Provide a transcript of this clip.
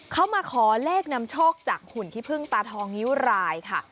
เขามาขอเลขนำโชคจากหุ่นขี้พึ่งตาทองนิ้วรายค่ะ